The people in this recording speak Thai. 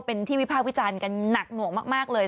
เป็นที่วิพากษ์วิจารณ์กันหนักหน่วงมากเลย